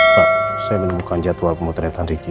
pak saya menemukan jadwal pemotretan ricky